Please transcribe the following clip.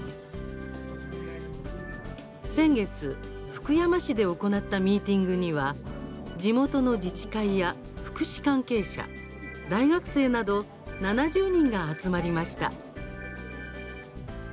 先月、福山市で行ったミーティングには地元の自治会や福祉関係者大学生など７０人が集まりました。